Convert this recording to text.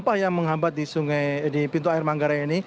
jadi yang paling utama adalah sampah yang menghambat di pintu air manggare ini